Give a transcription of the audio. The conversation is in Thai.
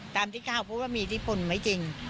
ตามที่ข้าวพูดว่ามีอิทธิพลไม่จริง